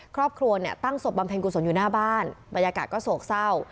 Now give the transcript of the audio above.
ครอบครัวเนี่ยตั้งศพบำเพ็ญกุศลอยู่หน้าบ้านบรรยากาศก็โศกเศร้า